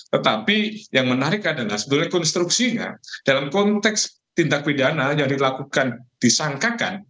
tetapi yang menarik adalah sebetulnya konstruksinya dalam konteks tindak pidana yang dilakukan disangkakan